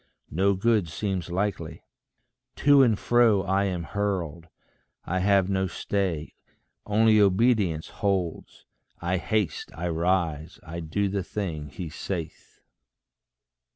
No good seems likely. To and fro I am hurled. I have no stay. Only obedience holds: I haste, I rise, I do the thing he saith.